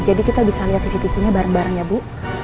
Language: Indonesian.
jadi kita bisa lihat cctv nya bareng bareng ya bu